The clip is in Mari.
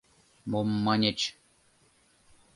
— Мом маньыч...